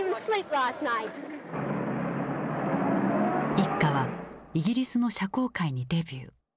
一家はイギリスの社交界にデビュー。